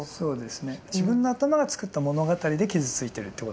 自分の頭が作った物語で傷ついてるってことですね。